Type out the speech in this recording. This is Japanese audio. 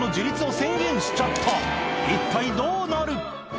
一体どうなる？